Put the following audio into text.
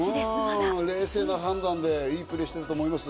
冷静な判断でいいプレーをしていたと思います。